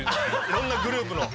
いろんなグループの。